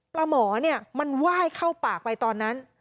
หมอเนี่ยมันไหว้เข้าปากไปตอนนั้น